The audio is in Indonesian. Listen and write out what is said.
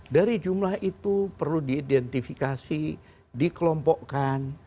dari jumlah itu perlu diidentifikasi dikelompokkan